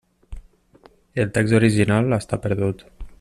El text original està perdut.